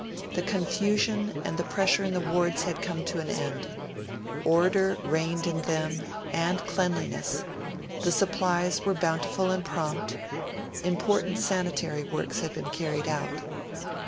The confusion and the pressure in the wards had come to an end; order reigned in them, and cleanliness; the supplies were bountiful and prompt; important sanitary works had been carried out.